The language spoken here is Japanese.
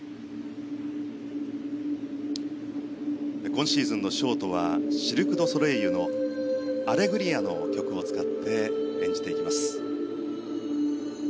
今シーズンのショートはシルク・ドゥ・ソレイユの「アレグリア」の曲を使っていきます。